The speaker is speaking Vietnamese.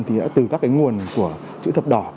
thì đã từ các cái nguồn của chữ thập đỏ